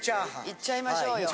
いっちゃいましょうよ。